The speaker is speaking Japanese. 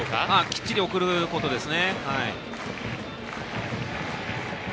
きっちり送ることです。